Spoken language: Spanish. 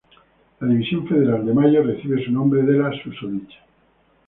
La División Federal de Mayo recibe su nombre de la susodicha.